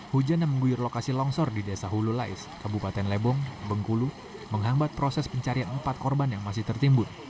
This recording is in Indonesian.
hujan yang mengguyur lokasi longsor di desa hulu lais kabupaten lebong bengkulu menghambat proses pencarian empat korban yang masih tertimbun